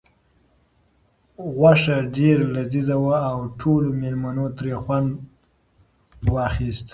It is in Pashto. غوښه ډېره لذیذه وه او ټولو مېلمنو ترې خوند واخیست.